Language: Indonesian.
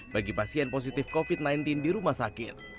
bagi pasien positif covid sembilan belas di rumah sakit